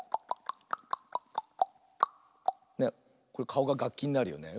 かおががっきになるよね。